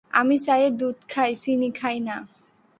আমি চায়ে দুধ খাই, চিনি খাই না।